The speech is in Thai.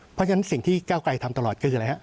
เพราะฉะนั้นสิ่งที่ก้าวไกลทำตลอดคืออะไรฮะ